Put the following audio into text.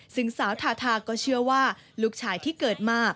ซึ่งสาวทาทาก็เชื่อว่าลูกชายที่เกิดมา